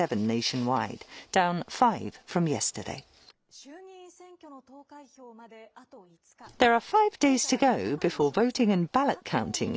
衆議院選挙の投開票まであと５日。